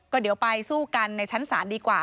ก็เดี๋ยวไปสู้กันในชั้นศาลดีกว่า